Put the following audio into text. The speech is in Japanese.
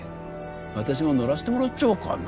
私も乗らせてもらっちゃおうかな